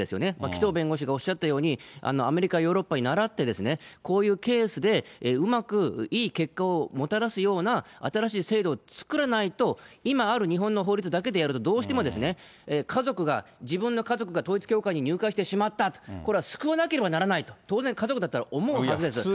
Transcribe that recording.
紀藤弁護士がおっしゃったように、アメリカ、ヨーロッパにならって、こういうケースで、うまくいい結果をもたらすような新しい制度を作らないと、今ある日本の法律だけでやると、どうしても家族が、自分の家族が統一教会に入会してしまった、これは救わなければならないと、当然、普通必死になりますよ。